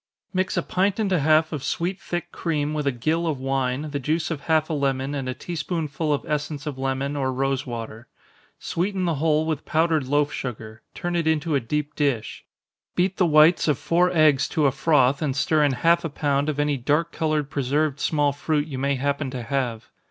_ Mix a pint and a half of sweet thick cream with a gill of wine, the juice of half a lemon, and a tea spoonful of essence of lemon, or rosewater. Sweeten the whole with powdered loaf sugar turn it into a deep dish. Beat the whites of four eggs to a froth, and stir in half a pound of any dark colored preserved small fruit you may happen to have.